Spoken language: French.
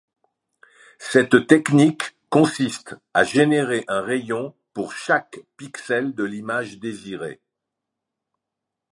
Cette technique consiste à générer un rayon pour chaque pixel de l'image désirée.